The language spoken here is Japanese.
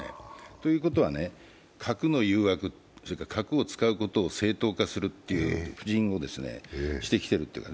ということは、核の誘惑、核を使うことを正当化するという布陣を指摘している。